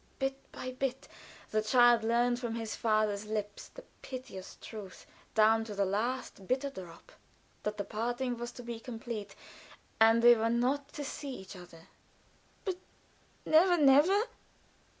Bit by bit the child learned from his father's lips the pitiless truth, down to the last bitter drop; that the parting was to be complete, and they were not to see each other. "But never, never?"